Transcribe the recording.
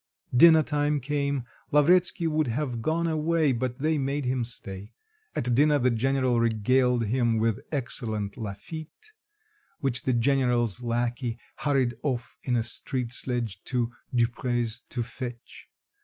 Dinner time came; Lavretsky would have gone away, but they made him stay: at dinner the general regaled him with excellent Lafitte, which the general's lackey hurried off in a street sledge to Dupre's to fetch.